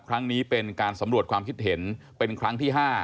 ครั้งนี้เป็นการสำรวจความคิดเห็นเป็นครั้งที่๕